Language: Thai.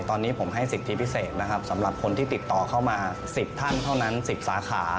ตอนนี้ผมให้สิทธิพิเศษนะครับสำหรับคนที่ติดต่อเข้ามา๑๐ท่านเท่านั้น๑๐สาขา